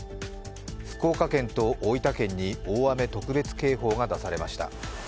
福岡県と大分県に大雨特別警報が出されました。